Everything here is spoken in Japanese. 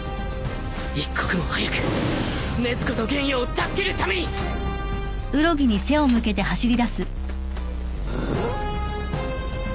一刻も早く禰豆子と玄弥を助けるためにん？